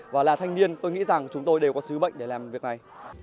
và là thanh niên tôi nghĩ rằng chúng tôi đều có sứ bệnh để làm việc này